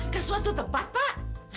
ke suatu tempat pak